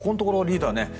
ここのところリーダー